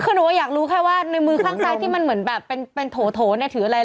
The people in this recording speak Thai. คือหนูว่าอยากรู้แค่ว่าในมือข้างซ้ายที่มันเหมือนแบบเป็นโถเนี่ยถืออะไร